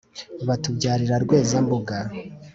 batubyarira rweza-mbuga,